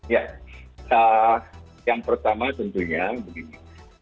ya yang pertama tentunya begini